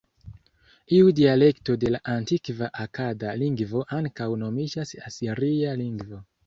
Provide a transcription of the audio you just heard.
Iu dialekto de la antikva akada lingvo ankaŭ nomiĝas Asiria lingvo.